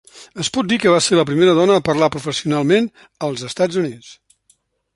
Es pot dir que va ser la primera dona a parlar professionalment als Estats Units.